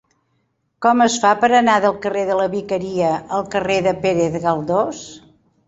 Com es fa per anar del carrer de la Vicaria al carrer de Pérez Galdós?